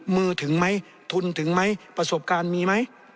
มือถึงมั้ยทุนถึงมั้ยประสบการณ์มีมั้ย